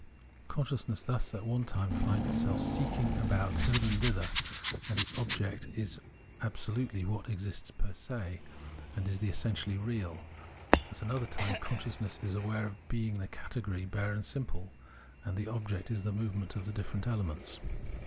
Consciousness thus at one time finds itself seeking about hither and thither, and its object is what absolutely exists per se, and is the essentially real; at another time, consciousness is aware of being the category bare and simple, and the object is the movement of the different elements.